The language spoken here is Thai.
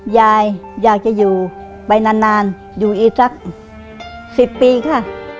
ยายอยากจะอยู่ไปนานอยู่อีกสัก๑๐ปีค่ะ